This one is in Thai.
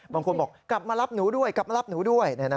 บางคนบอกกลับมารับหนูด้วยกลับมารับหนูด้วย